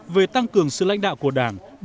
về tăng cường sự lãnh đạo của đảng